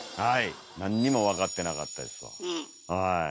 はい何にも分かってなかったですわ。